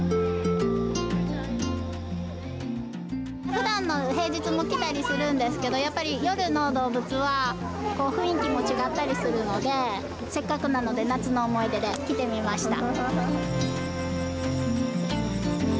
ふだんの平日も来たりするんですけど、やっぱり夜の動物は、こう雰囲気も違ったりするのでせっかくなので夏の思い出で来てみました。